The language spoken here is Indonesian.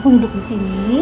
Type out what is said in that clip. kamu duduk disini